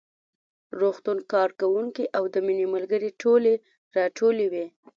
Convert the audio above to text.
روغتون کارکوونکي او د مينې ملګرې ټولې راټولې وې